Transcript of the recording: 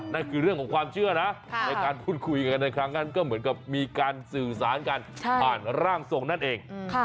นั่นคือเรื่องของความเชื่อนะในการพูดคุยกันในครั้งนั้นก็เหมือนกับมีการสื่อสารกันผ่านร่างทรงนั่นเอง